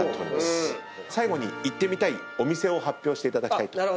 最後に行ってみたいお店を発表していただきたいと。